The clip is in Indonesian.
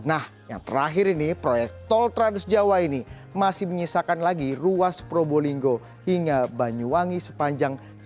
nah yang terakhir ini proyek tol transjawa ini masih menyisakan lagi ruas probolinggo hingga banyuwangi sepanjang satu ratus delapan puluh lima km